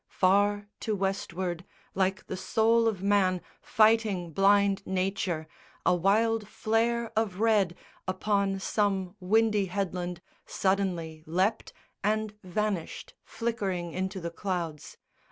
Far to Westward, like the soul of man Fighting blind nature, a wild flare of red Upon some windy headland suddenly leapt And vanished flickering into the clouds.